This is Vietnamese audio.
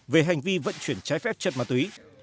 về hành vi vận chuyển trái phép chất ma túy